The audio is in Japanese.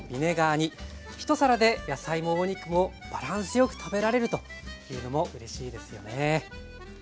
ひと皿で野菜もお肉もバランスよく食べられるというのもうれしいですよね。